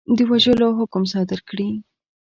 د وژلو حکم صادر کړي.